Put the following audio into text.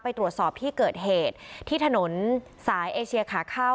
ไปตรวจสอบที่เกิดเหตุที่ถนนสายเอเชียขาเข้า